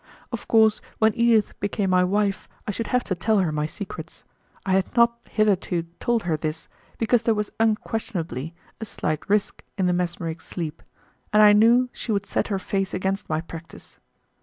Of course, when Edith became my wife I should have to tell her my secrets. I had not hitherto told her this, because there was unquestionably a slight risk in the mesmeric sleep, and I knew she would set her face against my practice.